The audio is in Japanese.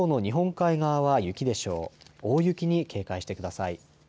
大雪に警戒してください。